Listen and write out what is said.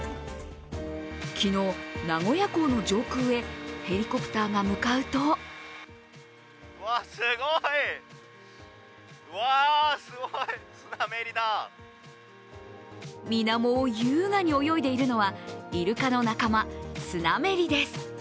昨日、名古屋港の上空へヘリコプターが向かうとみなもを優雅に泳いでいるのはイルカの仲間、スナメリです。